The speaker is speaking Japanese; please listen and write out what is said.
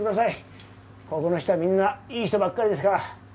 ここの人はみんないい人ばっかりですから。